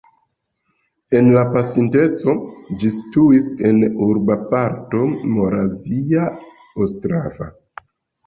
En la pasinteco ĝi situis en urba parto Moravia Ostrava.